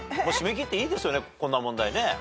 締め切っていいですよねこんな問題ね。